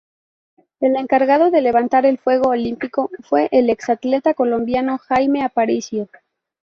El encargado de levantar el fuego olimpico fue el ex atleta colombiano Jaime Aparicio.